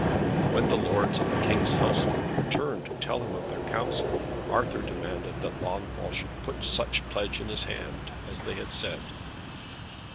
When the lords of the King's household returned to tell him of their counsel, Arthur demanded that Launfal should put such pledge in his hand, as they had said.